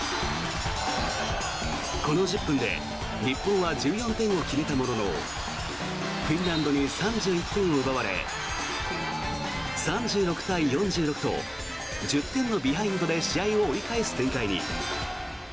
この１０分で日本は１４点を決めたもののフィンランドに３１点を奪われ３６対４６と１０点のビハインドで試合を折り返す展開に。